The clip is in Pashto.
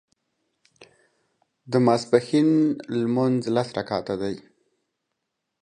د ماسپښين لمونځ لس رکعته دی